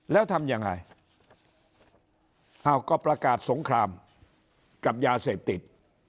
แล้วทำยังไงอ้าวก็ประกาศสงครามกับยาเสพติด